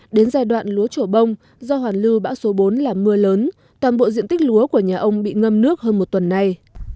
đến giai đoạn lúa trổ bông do hoàn lưu bão số bốn là mưa lớn toàn bộ diện tích lúa của nhà ông bị ngâm nước hơn một tuần nay